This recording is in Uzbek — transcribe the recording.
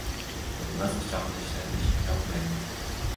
– o‘tmas pichoqni ishlatish yoqmaydi;